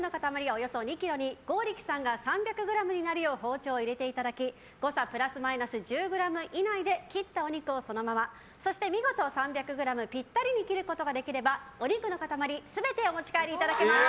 およそ２ｋｇに剛力さんが３００ｇになるよう包丁を入れていただき誤差プラスマイナス１０ｇ以内で切ったお肉をそのままそして見事３００ｇぴったりに切ることができればお肉の塊全てお持ち帰りいただけます。